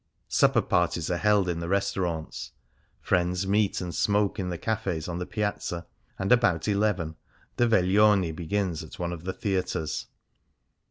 Supper parties are held in the restaurants ; friends meet and smoke in the cafes on the Piazza, and about eleven the veglione begins at one of the theatres.